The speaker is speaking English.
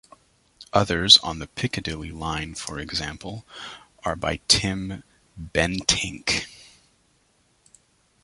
Others, on the Piccadilly line for example, are by Tim Bentinck.